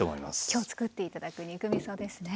今日作って頂く肉みそですね。